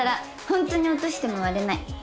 ホントに落としても割れない。